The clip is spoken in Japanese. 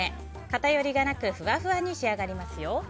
偏りがなくふわふわに仕上がりますよ。